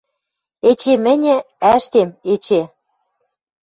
Эче мӹньӹ ӓштем, эче.